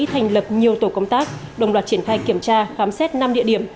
thành lập nhiều tổ công tác đồng loạt triển khai kiểm tra khám xét năm địa điểm